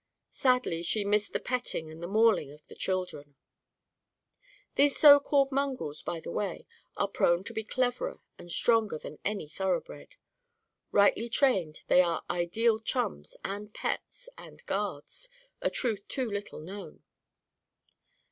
Sadly she missed the petting and the mauling of the children. These so called mongrels, by the way, are prone to be cleverer and stronger than any thoroughbred. Rightly trained, they are ideal chums and pets and guards a truth too little known.